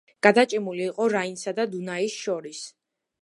გადაჭიმული იყო რაინსა და დუნაის შორის.